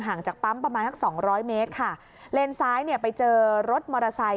จากปั๊มประมาณสักสองร้อยเมตรค่ะเลนซ้ายเนี่ยไปเจอรถมอเตอร์ไซค